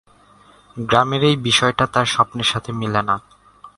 গ্রামের এই বিষয়টা তার স্বপ্নের সাথে মিলে না।